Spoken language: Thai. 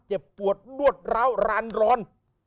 เจ็บปวดนวดร้าวร้านร้อน